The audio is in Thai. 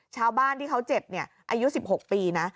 ชาวบ้านที่เขาเจ็บอายุ๑๖ปีนะ